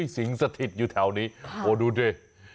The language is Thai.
สิงสถิตอยู่แถวนี้โอ้ดูดิ